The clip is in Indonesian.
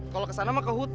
kalau ke sana mau ke hutan